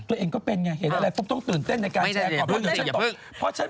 ตัวเองก็เป็นไงเหตุอะไรผมต้องตื่นเต้นในการแชร์